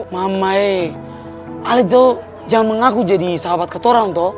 mamai alat itu jangan mengaku jadi sahabat katorang toh